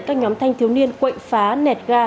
các nhóm thanh thiếu niên quậy phá nẹt ga